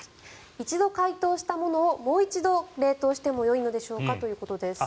一度解凍したものをもう一度冷凍してもよいのでしょうかということです。